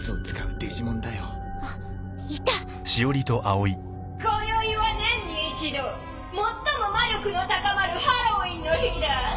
こよいは年に一度最も魔力の高まるハロウィーンの日だ。